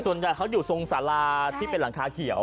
ส่วนใหญ่เขาอยู่ตรงสาราที่เป็นหลังคาเขียว